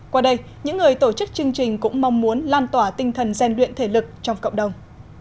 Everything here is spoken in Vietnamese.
qua đây những người tổ chức chương trình cũng mong muốn lan tỏa tinh thần gian luyện thể lực trong cộng đồng